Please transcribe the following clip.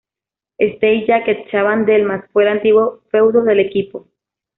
Stade Jacques Chaban-Delmas, Fue el antiguo feudo del equipo.